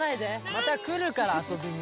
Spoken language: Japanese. またくるからあそびに。